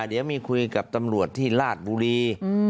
เดี๋ยวมีคุยกับตำรวจที่ราชบุรี